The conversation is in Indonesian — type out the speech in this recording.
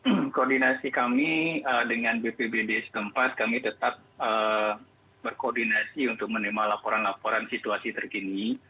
dalam koordinasi kami dengan bpbd setempat kami tetap berkoordinasi untuk menerima laporan laporan situasi terkini